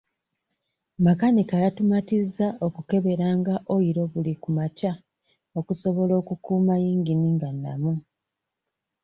Makanika yatumatizza okukeberanga oyiro buli ku makya okusobola okukuuma yingini nga nnamu.